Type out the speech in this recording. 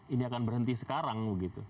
ini akan berhenti sekarang